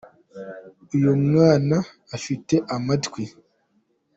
uyumwana afite amatwi